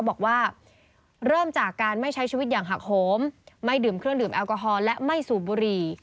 บอกว่าเริ่มจากการไม่ใช้ชีวิตอย่างหักโหมไม่ดื่มเครื่องดื่มแอลกอฮอลและไม่สูบบุหรี่